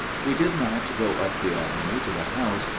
" We did not go up the avenue to the house.